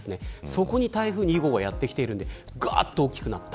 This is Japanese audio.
そこに台風２号がやってきてがっと大きくなった。